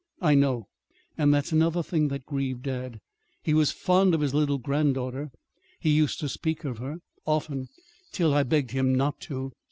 "I know. And that's another thing that grieved dad. He was fond of his little granddaughter. He used to speak of her, often, till I begged him not to.